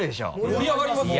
盛り上がりますよはい。